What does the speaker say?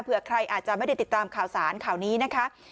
ใครอาจจะไม่ได้ติดตามข่าวสารข่าวนี้นะคะ